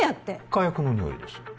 火薬のにおいです